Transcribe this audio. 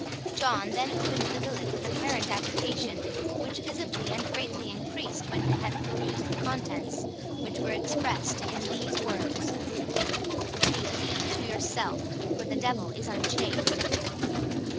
John then opened the billet with apparent agitation, which visibly and greatly increased when he had perused the contents, which were expressed in these words: "_Take heed to yourself for the Devil is unchained!